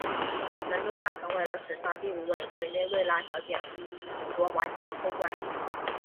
门多萨成为了史上第五位委内瑞拉小姐夺环姐后冠。